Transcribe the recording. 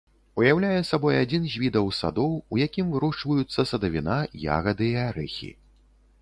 Уяўляе сабой адзін з відаў садоў, у якім вырошчваюцца садавіна, ягады і арэхі.